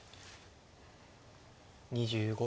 ２５秒。